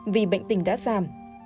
vì bệnh tình đã giảm